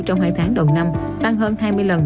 trong hai tháng đầu năm tăng hơn hai mươi lần